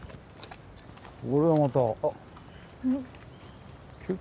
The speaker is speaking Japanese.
これはまた。